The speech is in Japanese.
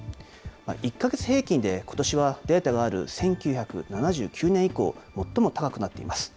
１か月平均で、ことしはデータがある１９７９年以降、最も高くなっています。